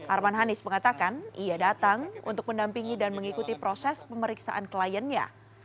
arman hanis mengatakan ia datang untuk mendampingi dan mengikuti proses pemeriksaan kliennya